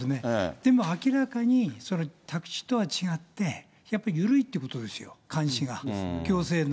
でも明らかに、その宅地とは違って、やっぱり緩いということですよ、監視が、行政の。